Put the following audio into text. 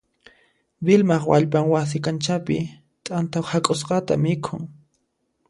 Vilmaq wallpan wasi kanchapi t'anta hak'usqata mikhun.